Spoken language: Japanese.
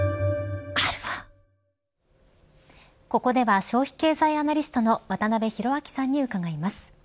ここでは消費経済アナリストの渡辺広明さんに伺います。